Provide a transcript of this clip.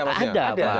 berarti ada maksudnya